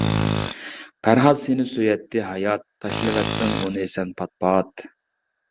پەرھات سېنى سۆيەتتى ھايات، تاشلىۋەتتىڭ ئۇنى سەن پات-پات.